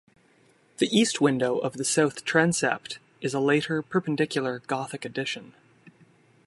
The east window of the south transept is a later Perpendicular Gothic addition.